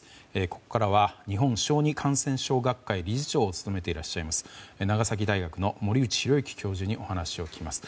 ここからは、日本小児感染症学会理事長を務めていらっしゃいます長崎大学の森内浩幸教授にお話を聞きます。